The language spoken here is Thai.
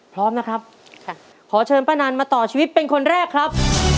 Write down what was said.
พร้อมนะครับค่ะขอเชิญป้านันมาต่อชีวิตเป็นคนแรกครับ